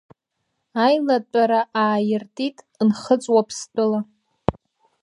Аилатәара ааиртит, Нхыҵ-Уаԥстәыла…